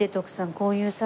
こういうさ。